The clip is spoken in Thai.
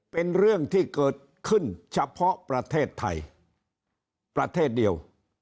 เป็นเรื่องที่เกิดขึ้นเฉพาะประเทศไทยประเทศเดียว